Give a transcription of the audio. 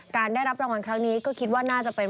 ได้รับรางวัลครั้งนี้ก็คิดว่าน่าจะเป็น